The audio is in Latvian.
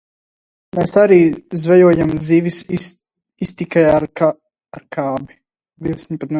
Mēs arī zvejojām zivis iztikai ar kabi.